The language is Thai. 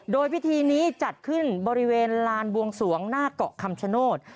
โดยพิธีนี้จัดขึ้นบริเวณลานบวงสวงหน้าเกาะคำชโนธ